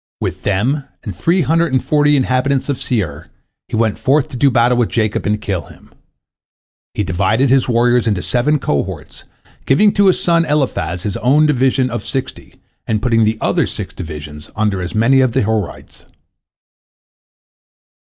With them and three hundred and forty inhabitants of Seir, he went forth to do battle with Jacob and kill him. He divided his warriors into seven cohorts, giving to his son Eliphaz his own division of sixty, and putting the other six divisions under as many of the Horites.